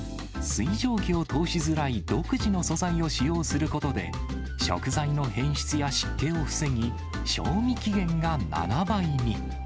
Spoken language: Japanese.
水蒸気を通しづらい独自の素材を使用することで、食材の変質や湿気を防ぎ、賞味期限が７倍に。